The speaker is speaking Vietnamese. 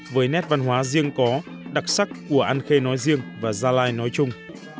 với nét văn hóa riêng có đặc sắc của an khê nói riêng và gia lai nói chung